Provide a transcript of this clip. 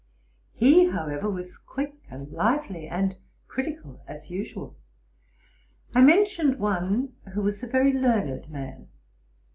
He, however, was quick and lively, and critical as usual. I mentioned one who was a very learned man.